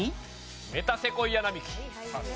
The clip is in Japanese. メタセコイア並木。